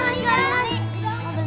mau beli beli yang mana